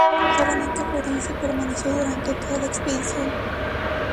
Solamente Florence permaneció durante toda la expedición.